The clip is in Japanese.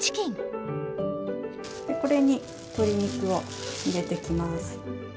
これに鶏肉を入れていきます。